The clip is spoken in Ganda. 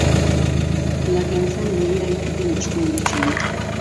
Laga ebifaananyi ebirabikidde mu kitundu kino?